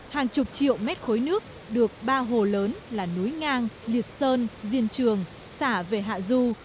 hàng chục triệu mét khối nước được ba hồ lớn là núi ngang liệt sơn diên trường xả về hạ du